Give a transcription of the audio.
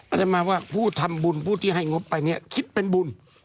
อะไรมาว่าผู้ทำบุญผู้ที่ให้งบไปเนี่ยคิดเป็นบุญ